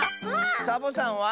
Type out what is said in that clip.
サボさんは？